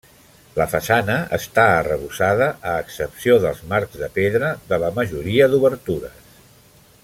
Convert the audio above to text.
La façana està arrebossada, a excepció dels marcs de pedra de la majoria d'obertures.